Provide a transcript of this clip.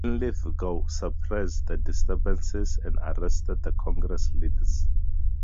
Linlithgow suppressed the disturbances and arrested the Congress leaders.